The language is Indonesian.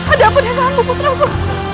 ada apa denganmu putraku